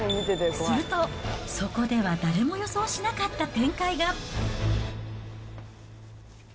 すると、そこでは誰も予想しなかった展開が。